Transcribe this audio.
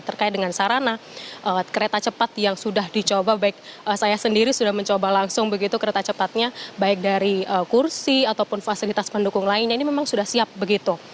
terkait dengan sarana kereta cepat yang sudah dicoba baik saya sendiri sudah mencoba langsung begitu kereta cepatnya baik dari kursi ataupun fasilitas pendukung lainnya ini memang sudah siap begitu